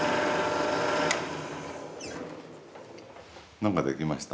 何か出来ました。